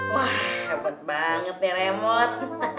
wah hebat banget nih remot